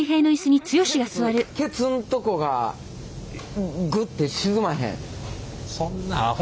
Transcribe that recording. ケツケツんとこがグッて沈まへん。